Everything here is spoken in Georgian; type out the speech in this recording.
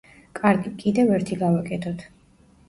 კარგი, კიდევ ერთი გავაკეთოთ.